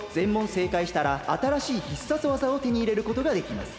せいかいしたらあたらしい必殺技をてにいれることができます。